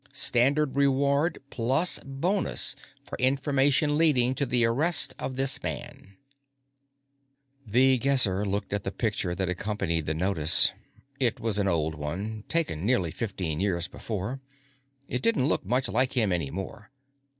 STANDARD REWARD PLUS BONUS FOR INFORMATION LEADING TO THE ARREST OF THIS MAN The Guesser looked at the picture that accompanied the notice. It was an old one, taken nearly fifteen years before. It didn't look much like him any more.